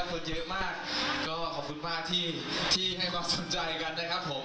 คนเยอะมากก็ขอบคุณมากที่ที่ให้ความสนใจกันนะครับผม